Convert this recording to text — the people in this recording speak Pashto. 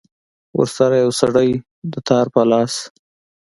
ورسره يو سړى دوتار په لاس.